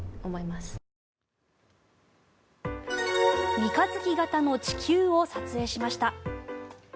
三日月形の地球を撮影しました。